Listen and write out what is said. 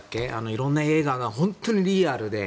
いろんな映画が本当にリアルで。